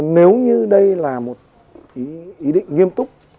nếu như đây là một ý định nghiêm túc